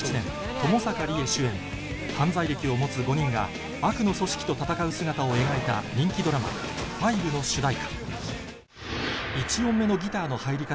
ともさかりえ主演犯罪歴を持つ５人が悪の組織と戦う姿を描いた人気ドラマ『ＦｉＶＥ』の主題歌